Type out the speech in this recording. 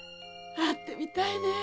会ってみたいねえ！